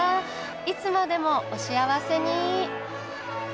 いつまでもお幸せに！